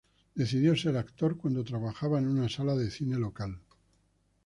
Decidió ser actor cuando trabajaba en una sala de cine local.